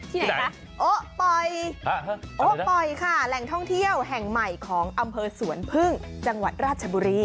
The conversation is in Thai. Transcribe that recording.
ไหนคะโอ๊ปอยโอ๊ปอยค่ะแหล่งท่องเที่ยวแห่งใหม่ของอำเภอสวนพึ่งจังหวัดราชบุรี